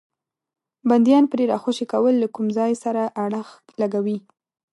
بندیان پرې راخوشي کول له کوم ځای سره اړخ لګوي.